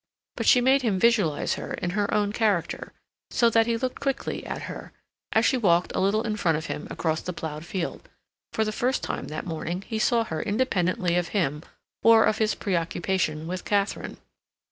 But she made him visualize her in her own character, so that he looked quickly at her, as she walked a little in front of him across the plowed field; for the first time that morning he saw her independently of him or of his preoccupation with Katharine.